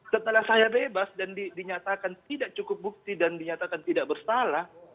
setelah saya bebas dan dinyatakan tidak cukup bukti dan dinyatakan tidak bersalah